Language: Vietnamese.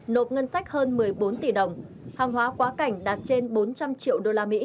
nộp ngân sách hơn một mươi bốn tỷ đồng hàng hóa quá cảnh đạt trên bốn trăm linh triệu usd